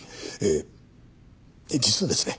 えー実はですね